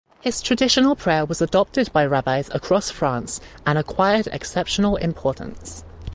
His traditional prayer was adopted by rabbis across France and "acquired exceptional importance".